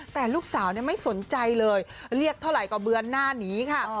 แต่ลูกสาวไม่สนใจเลยเรียกเท่าไหร่ก็เบือนหน้านี้ค่ะ